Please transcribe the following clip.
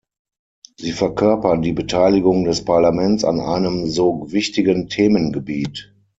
Sie verkörpern die Beteiligung des Parlaments an einem so wichtigen Themengebiet.